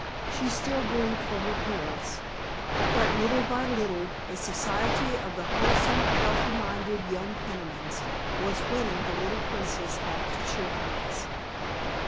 She still grieved for her parents, but little by little the society of the wholesome, healthy minded young Penimans was winning the little Princess back to cheerfulness.